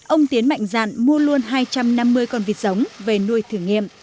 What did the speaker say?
ông tiến mạnh dạn mua luôn hai trăm năm mươi con vịt giống về nuôi thử nghiệm